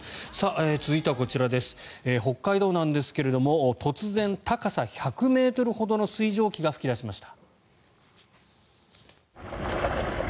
続いてはこちら北海道なんですが突然、高さ１００ｍほどの水蒸気が噴き出しました。